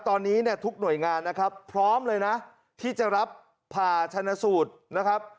ตอนนี้เนี่ยทุกหน่วยงานนะครับพร้อมเลยนะที่จะรับผ่าชนสูตรนะครับ